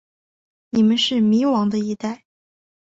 你们是迷惘的一代。